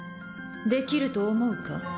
できると思うか？